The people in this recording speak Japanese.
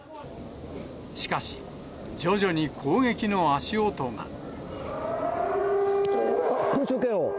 しかし、徐々に攻撃の足音が。